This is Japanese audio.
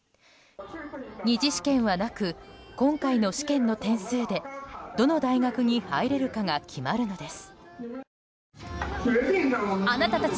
２次試験はなく今回の点数だけでどの大学に入れるかが決まるのです。